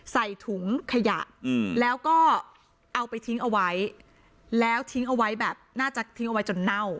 ใส่ถุงขยะแล้วก็เอาไปทิ้งเอาไว้แล้วทิ้งเอาไว้แบบน่าจะทิ้งเอาไว้จนเน่า